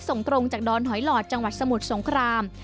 ส่งตรงจากดอนหอยหลอดจังหวัดสมุทรสงคราม